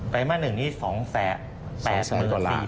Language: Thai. ไรมาส๑นี้๒๘๐๐๐กว่าล้าน